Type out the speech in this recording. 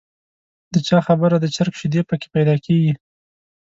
د چا خبره د چرګ شیدې په کې پیدا کېږي.